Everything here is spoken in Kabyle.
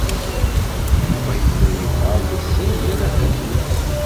Yuba yella yebɣa ad isel yal afatus.